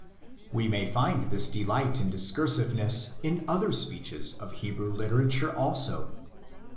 We may find this delight in discursiveness in other species of Hebrew literature also.